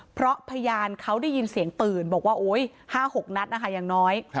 เพราะพยานเขาได้ยินเสียงปืนบอกว่าโอ๊ย๕๖นัดนะคะอย่างน้อย